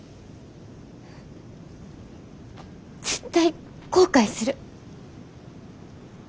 絶対後悔する。